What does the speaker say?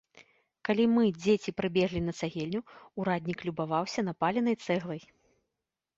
Калі мы, дзеці, прыбеглі на цагельню, ураднік любаваўся напаленай цэглай.